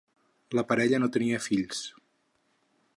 La parella no tenia fills.